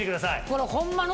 これホンマの。